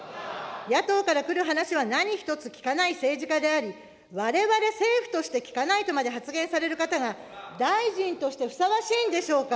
野党からくる話は何一つ聞かない政治家であり、われわれ政府として聞かないとまで発言される方が、大臣としてふさわしいんでしょうか。